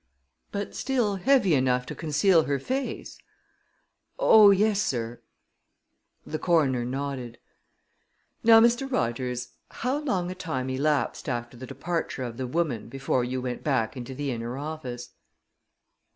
"But still heavy enough to conceal her face?" "Oh, yes, sir." The coroner nodded. "Now, Mr. Rogers, how long a time elapsed after the departure of the woman before you went back into the inner office?"